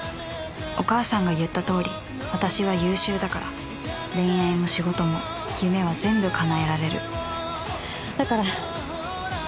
お母さんが言ったとおり私は優秀だから恋愛も仕事も夢は全部かなえられるだから。